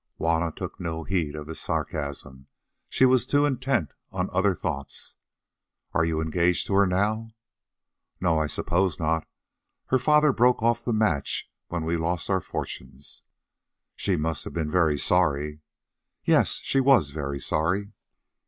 Juanna took no heed of his sarcasm, she was too intent on other thoughts. "And are you engaged to her now?" "No, I suppose not. Her father broke off the match when we lost our fortunes." "She must have been very sorry?" "Yes, she was very sorry."